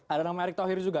ada nama erick thohir juga